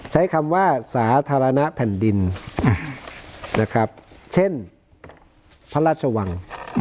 ใช้คำว่าสาธารณะแผ่นดินนะครับเช่นพระราชวัง